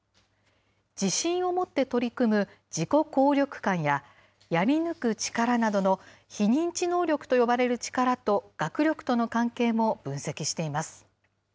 自信を持って取り組む自己効力感や、やり抜く力などの非認知能力と呼ばれる力と、学力との関係も分析しています。